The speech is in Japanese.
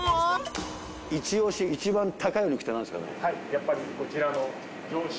やっぱりこちらの。